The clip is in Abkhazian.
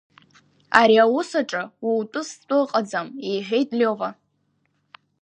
Ари аус аҿы утәы-стәы ыҟаӡам, — иҳәеит Лиова.